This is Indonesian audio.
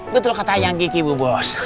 betul kata yang gigi bu bos